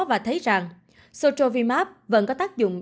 và thấy rằng strovimab vẫn có tác dụng